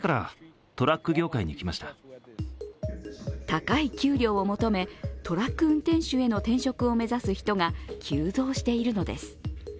高い給料を求め、トラック運転手への転職を目指す人が急増しているのです。